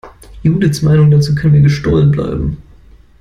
Judiths Meinung dazu kann mir gestohlen bleiben!